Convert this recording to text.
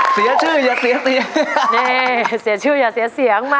เน้เสียชื่ออย่าเสียเสียงมาก